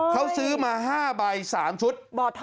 เขาซื้อมา๕ใบ๓ชุด